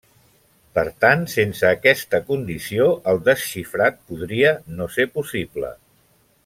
Per tant, sense aquesta condició el desxifrat podria no ser possible.